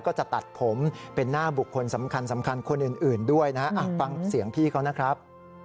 ก็จะตัดผมเป็นหน้าบุคคลสำคัญคนอื่นด้วยนะฮะฟังเสียงพี่เขานะครับ